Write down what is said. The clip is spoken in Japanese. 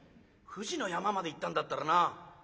富士の山まで行ったんだったらな